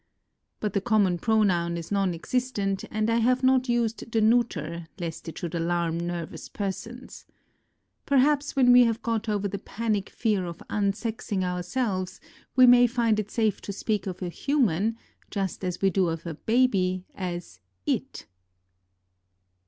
But the common pronoun is non existent and I have not used the neuter, lest it should alarm nervous persons. Perhaps when we have got over the panic fear of unsexing ourselves, we may find it safe to speak of a human, just as we do of a baby, as "it."